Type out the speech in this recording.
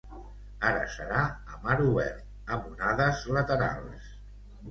ara serà a mar obert, amb onades laterals